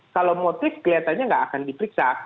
kalau motif kelihatannya nggak akan diperiksa